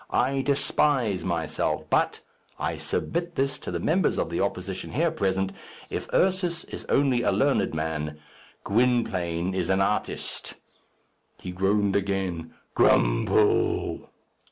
I despise myself; but I submit this to the members of the opposition here present if Ursus is only a learned man, Gwynplaine is an artist." He groaned again, "Grumphll!"